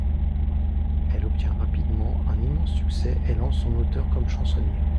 Elle obtient rapidement un immense succès et lance son auteur comme chansonnier.